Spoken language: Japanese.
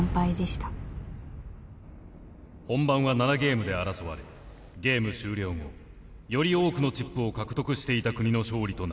本番は７ゲームで争われゲーム終了後より多くのチップを獲得していた国の勝利となります。